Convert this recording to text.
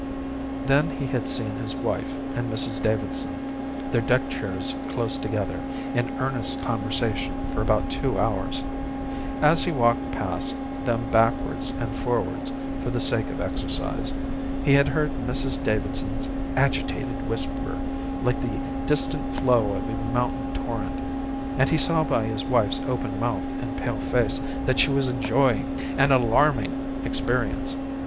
Then he had seen his wife and Mrs Davidson, their deck chairs close together, in earnest conversation for about two hours. As he walked past them backwards and forwards for the sake of exercise, he had heard Mrs Davidson's agitated whisper, like the distant flow of a mountain torrent, and he saw by his wife's open mouth and pale face that she was enjoying an alarming experience.